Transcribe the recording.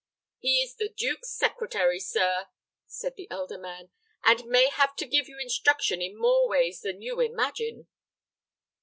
"He is the duke's secretary, sir," said the elder man, "and may have to give you instruction in more ways than you imagine."